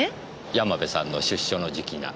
山部さんの出所の時期が。